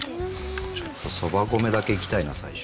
ちょっとそば米だけいきたいな最初。